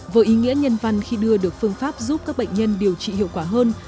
với ý nghĩa nhân văn khi đưa được phương pháp giúp các bệnh nhân điều trị hiệu quả hơn